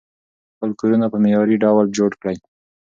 خپل کورونه په معیاري ډول جوړ کړئ.